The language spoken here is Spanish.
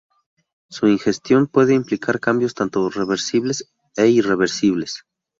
Su ingestión puede implicar cambios tanto reversibles e irreversibles.